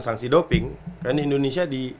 sanksi doping kan indonesia di